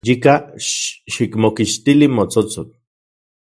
Yika, xikmokixtili motsotsol.